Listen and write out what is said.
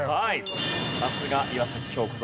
さすが岩崎恭子さん。